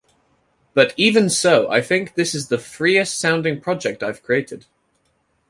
But even so, I think this is the freest sounding project I've created.